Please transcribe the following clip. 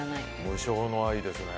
無償の愛ですね。